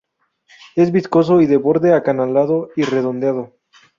Es viscoso y de borde acanalado y redondeado.